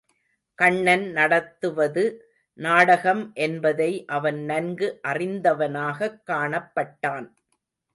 கண்ணன் நடத்துவது நாடகம் என்பதை அவன் நன்கு அறிந்தவனாகக் காணப்பட்டான்.